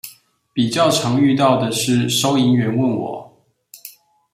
比較常遇到的是收銀員問我